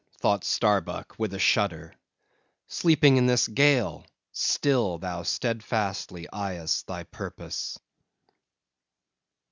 thought Starbuck with a shudder, sleeping in this gale, still thou steadfastly eyest thy purpose.